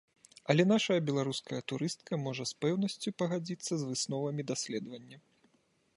Але нашая беларуская турыстка можа з пэўнасцю пагадзіцца з высновамі даследавання.